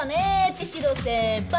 茅代先輩！